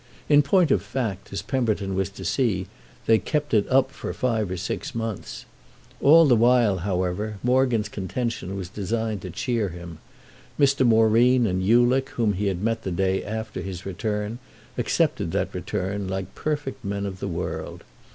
In point of fact, as Pemberton was to see, they kept it up for five or six months. All the while, however, Morgan's contention was designed to cheer him. Mr. Moreen and Ulick, whom he had met the day after his return, accepted that return like perfect men of the world.